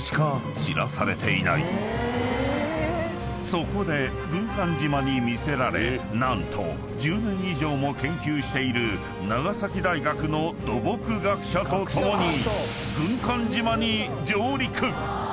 ［そこで軍艦島に魅せられ何と１０年以上も研究している長崎大学の土木学者と共に］